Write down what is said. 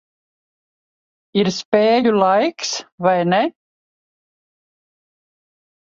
Ir spēļu laiks, vai ne?